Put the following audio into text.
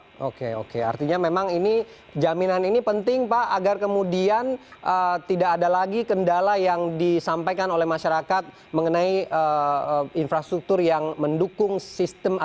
oke oke artinya memang ini jaminan ini penting pak agar kemudian tidak ada lagi kendala yang disampaikan oleh masyarakat mengenai infrastruktur yang mendukung sistem